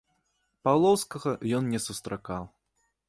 Паўлоўскага ён не сустракаў.